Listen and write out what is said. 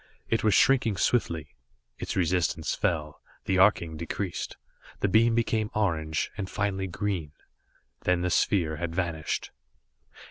It was shrinking swiftly. Its resistance fell, the arcing decreased; the beam became orange and finally green. Then the sphere had vanished.